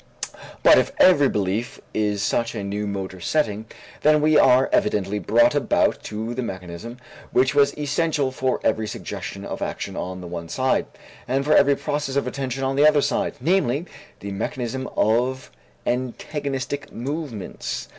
But if every belief is such a new motor setting, then we are evidently brought back to the mechanism which was essential for every suggestion of action on the one side and for every process of attention on the other side, namely, the mechanism of antagonistic movements.